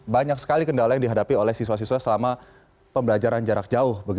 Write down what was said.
banyak sekali kendala yang dihadapi oleh siswa siswa selama pembelajaran jarak jauh